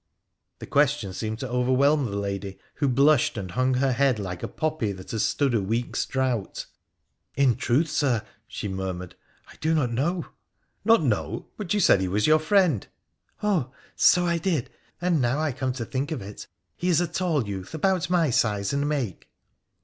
This question seemed to overwhelm the lady, who blushed and hung her head like a poppy that has stood a week's drought. PHRA THE PHCENIC1AN l6l ' In truth, Sir,' she murmured, ' I do not know.' ' Not know ! Why, but you said he was your friend !'' Oh ! so I did. And, now I come to think of it, he is a tall youth — about my size and make.'